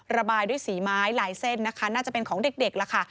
ระบายด้วยสีไม้ลายเส้นนะคะน่าจะเป็นของเด็กล่ะค่ะ